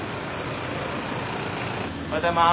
おはようございます。